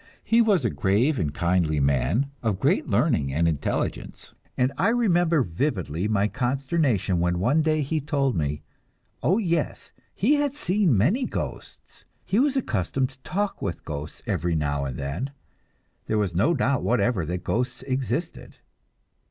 He was a grave and kindly man, of great learning and intelligence, and I remember vividly my consternation when one day he told me oh, yes, he had seen many ghosts, he was accustomed to talk with ghosts every now and then. There was no doubt whatever that ghosts existed!